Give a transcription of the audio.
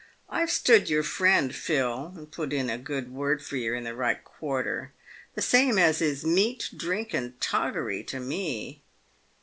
I've stood your friend, Phil, and put in a good word for yer in the right quarter — the same as is meat, drink, and toggery to me."